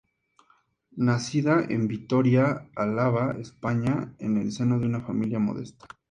Nacida en Vitoria, Álava, España, en el seno de una familia modesta.